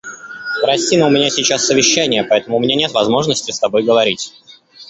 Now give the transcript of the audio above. Прости, но у меня сейчас совещание, поэтому у меня нет возможности с тобой говорить.